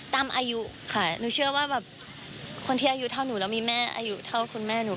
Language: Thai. ตามอายุค่ะหนูเชื่อว่าแบบคนที่อายุเท่าหนูแล้วมีแม่อายุเท่าคุณแม่หนู